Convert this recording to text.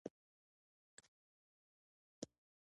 افغانستان د وحشي حیواناتو د ترویج لپاره پروګرامونه لري.